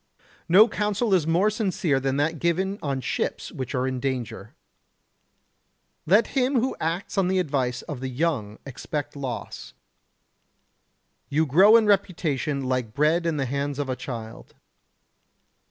No counsel is more sincere than that given on ships which are in danger. Let him who acts on the advice of the young expect loss. You grow in reputation like bread in the hands of a child.